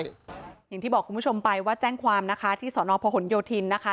อย่างที่บอกคุณผู้ชมไปว่าแจ้งความนะคะที่สนพหนโยธินนะคะ